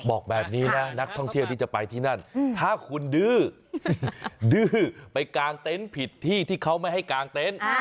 บอกแบบนี้นะนักท่องเที่ยวที่จะไปที่นั่นถ้าคุณดื้อดื้อไปกางเต็นต์ผิดที่ที่เขาไม่ให้กางเต็นต์